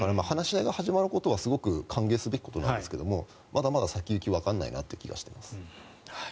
話し合いが始まることは、すごく歓迎すべきことなんですけどまだまだ先行きがわからないなという気がしています。